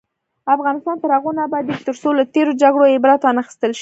افغانستان تر هغو نه ابادیږي، ترڅو له تیرو جګړو عبرت وانخیستل شي.